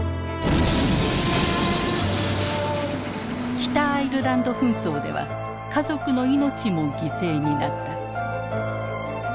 北アイルランド紛争では家族の命も犠牲になった。